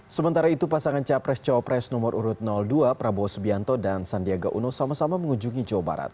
sementara itu pasangan capres cawapres nomor urut dua prabowo subianto dan sandiaga uno sama sama mengunjungi jawa barat